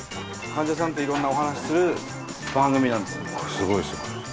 患者さんといろんなお話する番組なんです。